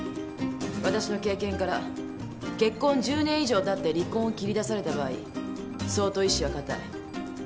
わたしの経験から結婚１０年以上たって離婚を切り出された場合相当意思は固い。